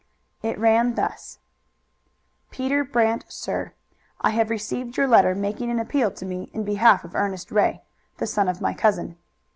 It ran thus: Peter Brant Sir: I have received your letter making an appeal to me in behalf of Ernest Ray, the son of my cousin.